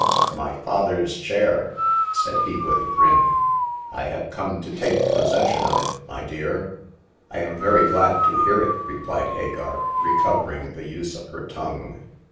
" My father's chair," said he, with a grin. I have come to take possession of it, my dear.'* I am very glad to hear it," replied Hagar, recovering the use of her tongue.